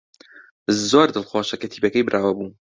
زۆر دڵخۆشە کە تیپەکەی براوە بوو.